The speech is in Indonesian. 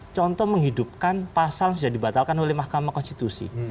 contoh menghidupkan pasal yang sudah dibatalkan oleh mahkamah konstitusi